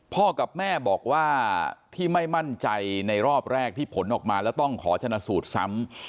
พ่อกับแม่บอกว่าที่ไม่มั่นใจในรอบแรกที่ผลออกมาแล้วต้องขอชนะสูตรซ้ำ